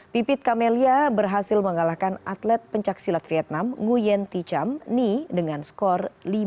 pipit kamelia berhasil mengalahkan atlet pencaksilat vietnam nguyen thi cham ni dengan skor lima dua